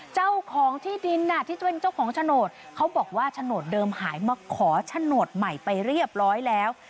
เจ้าของที่ดินที่เป็นเจ้าของโฉนดเขาบอกว่าโฉนดเดิมหายมาขอโฉนดใหม่ไปเรียบร้อยแล้ว